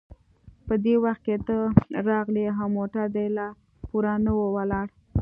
په دې وخت کې ته راغلې او موټر دې لا پوره نه و ولاړ.